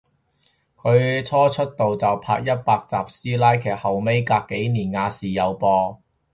佢初出道就拍一百集師奶劇，後尾隔幾年亞視有播